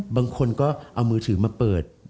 บางคนก็เอามือถือมาเปิด